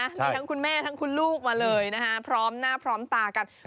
มีทั้งคุณแม่ทั้งคุณลูกมาเลยนะคะพร้อมหน้าพร้อมตากัน